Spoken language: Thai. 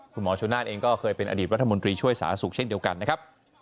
คุณหมอชนาธิ์เองก็เคยเป็นอดีตรัฐมนตรีช่วยสาธารณสุขเช่นเดียวกันนะครับ